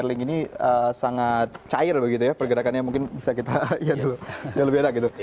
sterling ini sangat cair begitu ya pergerakannya mungkin bisa kita lihat dulu